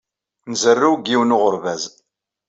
Nzerrew deg yiwen n uɣerbaz.